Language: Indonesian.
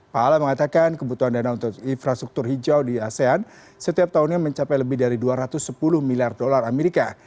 pahala mengatakan kebutuhan dana untuk infrastruktur hijau di asean setiap tahunnya mencapai lebih dari dua ratus sepuluh miliar dolar amerika